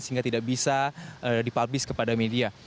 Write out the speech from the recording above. sehingga tidak bisa dipubbis kepada media